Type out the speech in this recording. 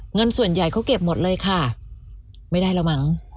เงินส่วนใหญ่เขาเก็บหมดเลยค่ะไม่ได้แล้วมั้ง